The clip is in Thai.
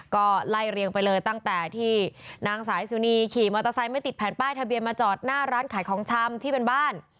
ก็ไล่เรียงไปเลยตั้งแต่ที่นางสายสุนีขี่มอเตอร์ไซค์ไม่ติดแผ่นป้ายทะเบียนมาจอดหน้าร้านขายของชำที่เป็นบ้าน